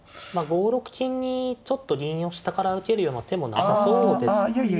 まあ５六金にちょっと銀を下から受けるような手もなさそうですかね。